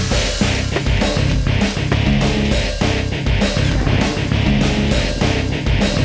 hei berubah lagi